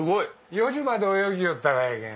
４時まで泳ぎよったかやけん。